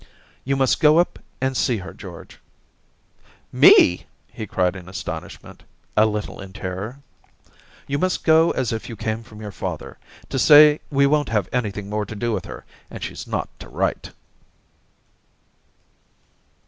* You must go up and see her, George !'' Me !' he cried in astonishment, a little in terror. Q ^42 Orientations * You must go as if you came from your father, to say we won't have anything more to do with her and she's not to write.'